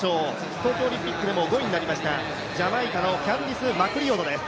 東京オリンピックでも５位になりましたジャマイカのキャンディス・マクリオドです。